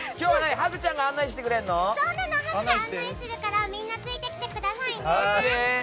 ハグが案内するからみんなついてきてね！